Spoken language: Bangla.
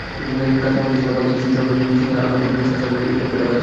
খাবারের মধ্যে ছিল পান্তা ইলিশ, চটপটি-ফুচকা, সিঙারা, আলুপুরি, চা, ঝাল মুড়ি, পিঠা-পায়েস।